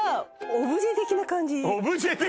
オブジェ的な感じ